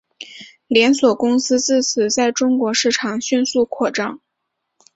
连锁公司自此在中国市场迅速扩张。